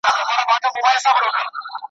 خدای خبر چي بیا پیدا کړې داسی نر بچی ښاغلی `